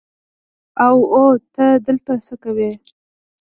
او او ته دلته څه کوې.